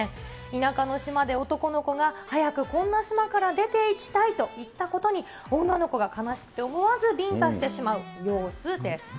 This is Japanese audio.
田舎の島で男の子が、早くこんな島から出ていきたいと言ったことに、女の子が悲しくて思わずビンタしてしまう様子です。